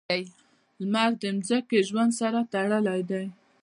• لمر د ځمکې ژوند سره تړلی دی.